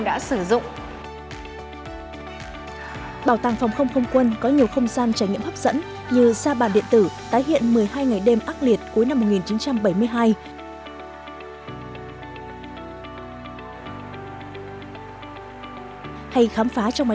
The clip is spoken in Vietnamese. bảo tàng phòng không không quân nằm trên đường trường trinh thuộc quận thanh xuân thành phố hà nội